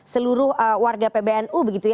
seluruh warga pbnu